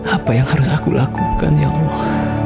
apa yang harus aku lakukan ya allah